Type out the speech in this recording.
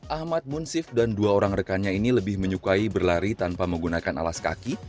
ahmad munsif dan dua orang rekannya ini lebih menyukai berlari tanpa menggunakan alas kaki